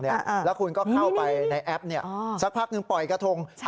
แล้วคุณก็เข้าไปในแอปสักพักหนึ่งปล่อยกระทง